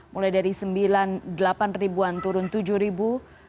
mulai dari delapan ribuan turun tujuh ribu